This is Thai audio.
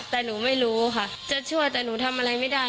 แต่หนูไม่รู้ค่ะจะช่วยแต่หนูทำอะไรไม่ได้